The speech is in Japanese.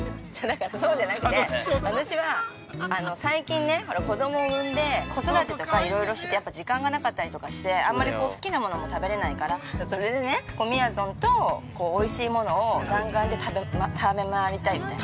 ◆そうじゃなくて、私は、最近、子供を産んで、子育てとかいろいろ時間がなかったりとかして、あんまり好きなものも食べれないから、それでね、みやぞんと、おいしいものを弾丸で食べ回りたいみたいな。